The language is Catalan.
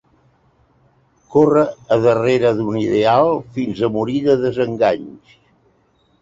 Corre a darrera d'un ideal fins a morir de desenganys